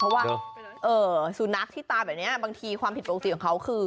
เพราะว่าสุนัขที่ตายแบบนี้บางทีความผิดปกติของเขาคือ